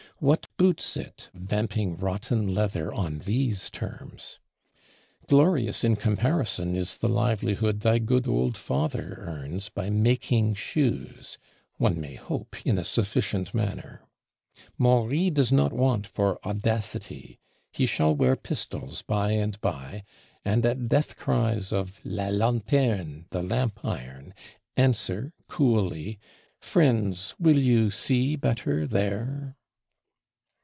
What boots it, vamping rotten leather on these terms? Glorious in comparison is the livelihood thy good old Father earns by making shoes, one may hope, in a sufficient manner. Maury does not want for audacity. He shall wear pistols by and by; and at death cries of "La lanterne, The Lamp iron!" answer coolly, "Friends, will you see better there?"